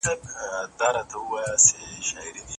کشپ وویل خبره مو منمه